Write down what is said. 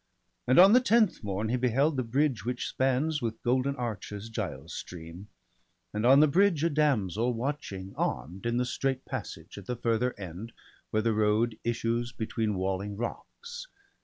And on the tenth morn he beheld the bridge Which spans with golden arches Giall's stream. And on the bridge a damsel watching arm'd BALDER DEAD. 155 In the strait passage, at the further end, Where the road issues between walling rocks.